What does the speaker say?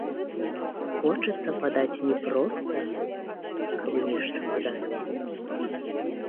Хочацца падаць не проста, каб нешта падаць.